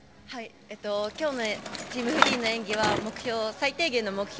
今日のチーム・フリーの演技は最低限の目標